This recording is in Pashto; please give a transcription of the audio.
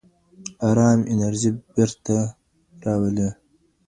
ارام انرژي بېرته راولي.